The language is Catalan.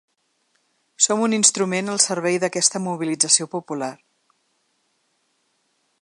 Som un instrument al servei d’aquesta mobilització popular.